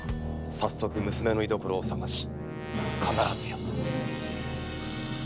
早速娘の居どころを捜し必ずや。